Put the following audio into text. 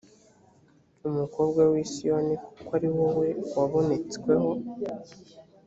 umukobwa w i siyoni kuko ari wowe wabonetsweho